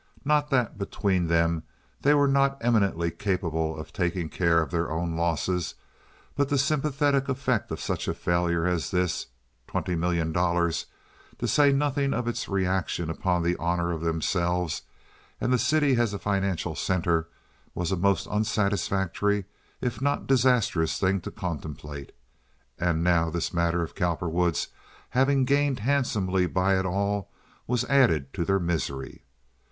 Not that between them they were not eminently capable of taking care of their own losses, but the sympathetic effect of such a failure as this (twenty million dollars), to say nothing of its reaction upon the honor of themselves and the city as a financial center, was a most unsatisfactory if not disastrous thing to contemplate, and now this matter of Cowperwood's having gained handsomely by it all was added to their misery.